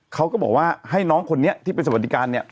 เขาก็บอกว่าให้น้องคนนี้ที่เป็นสวัสดิการเนี่ย